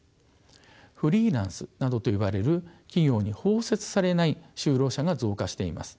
フリーランスなどといわれる企業に包摂されない就労者が増加しています。